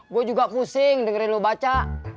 gue juga pusing dengerin lo baca